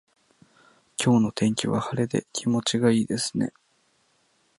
今日の天気は晴れで気持ちがいいですね。